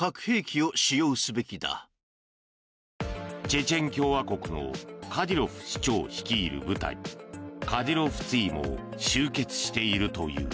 チェチェン共和国のカディロフ首長率いる部隊カディロフツィも集結しているという。